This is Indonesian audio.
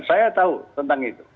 saya tahu tentang itu